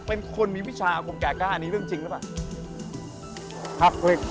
เป็นคนมีวิชาคงแก่กล้านี้เรื่องจริงหรือเปล่า